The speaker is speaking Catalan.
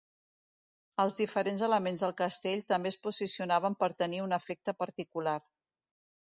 Els diferents elements del castell també es posicionaven per tenir un efecte particular.